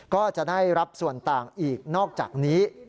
ก็จะได้รับส่วนต่างอีกนอกจากนี้